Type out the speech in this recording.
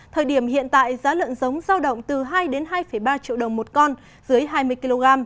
thời điểm hiện tại giá lợn giống giao động từ hai đến hai ba triệu đồng một con dưới hai mươi kg